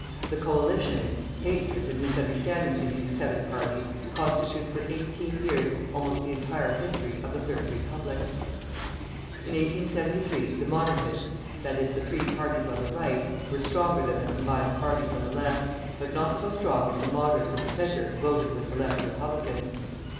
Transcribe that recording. The coalitions, hatreds, and misunderstandings of these seven parties constitute for eighteen years almost the entire history of the Third Republic. In 1873 the Monarchists, that is, the three parties on the Right were stronger than the combined parties on the Left, but not so strong if the Moderates of the Centre voted with the Left Republicans.